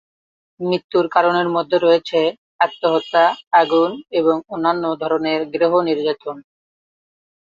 মৃত্যুর কারণের মধ্যে রয়েছে আত্মহত্যা, আগুন এবং অন্যান্য ধরণের গৃহ নির্যাতন।